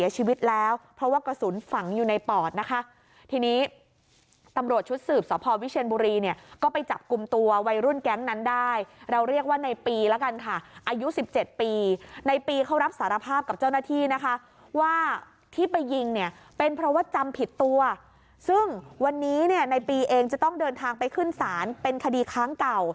ชีวิตแล้วเพราะว่ากระสุนฝังอยู่ในปอดนะคะทีนี้ตำรวจชุดสืบสพวิเชียนบุรีเนี่ยก็ไปจับกลุ่มตัววัยรุ่นแก๊งนั้นได้เราเรียกว่าในปีแล้วกันค่ะอายุ๑๗ปีในปีเขารับสารภาพกับเจ้าหน้าที่นะคะว่าที่ไปยิงเนี่ยเป็นเพราะว่าจำผิดตัวซึ่งวันนี้เนี่ยในปีเองจะต้องเดินทางไปขึ้นศาลเป็นคดีค้างเก่า